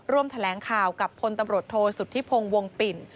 แถลงข่าวกับพลตำรวจโทษสุธิพงศ์วงปิ่น